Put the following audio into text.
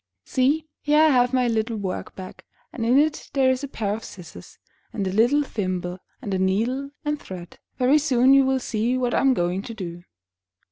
See, here I have my little work bag, and in it there is a pair of scissors, and a little thimble, and a needle and thread. Very soon you will see what I am going to do."